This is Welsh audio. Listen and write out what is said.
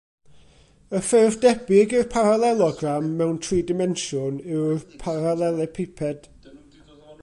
Y ffurf debyg i'r paralelogram, mewn tri dimensiwn yw'r paralelepiped.